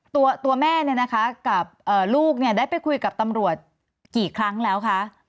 ตัวแม่เนี่ยนะคะกับลูกเนี่ยได้ไปคุยกับตำรวจกี่ครั้งแล้วคะ